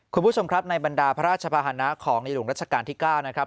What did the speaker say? คุณผู้ชมครับในบรรดาพระราชภาษณะของในหลวงรัชกาลที่๙นะครับ